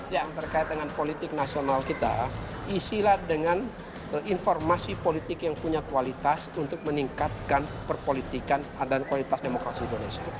yang terkait dengan politik nasional kita isilah dengan informasi politik yang punya kualitas untuk meningkatkan perpolitikan dan kualitas demokrasi indonesia